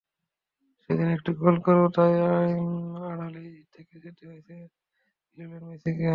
সেদিন একটি গোল করেও তাই আড়ালেই থেকে যেতে হয়েছে লিওনেল মেসিকে।